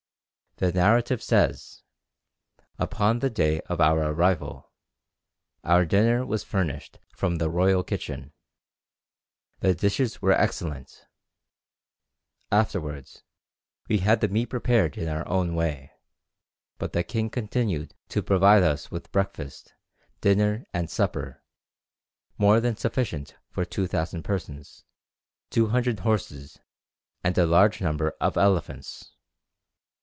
The narrative says, "Upon the day of our arrival our dinner was furnished from the royal kitchen. The dishes were excellent. Afterwards we had the meat prepared in our own way; but the king continued to provide us with breakfast, dinner, and supper, more than sufficient for 2000 persons, 200 horses, and a large number of elephants.